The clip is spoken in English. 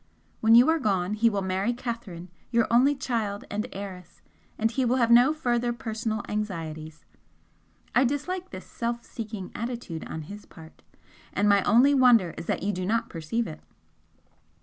When you are gone he will marry Catherine, your only child and heiress, and he will have no further personal anxieties. I dislike this self seeking attitude on his part, and my only wonder is that you do not perceive it.